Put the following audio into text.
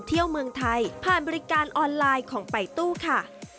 เที่ยวเมืองไทยผ่านบริการออนไลน์ของป่ายตู้ค่ะ